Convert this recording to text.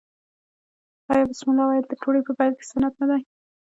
آیا بسم الله ویل د ډوډۍ په پیل کې سنت نه دي؟